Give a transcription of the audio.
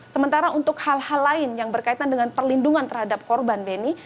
sementara untuk hal hal lain yang berkaitan dengan perlindungan terhadap korban beni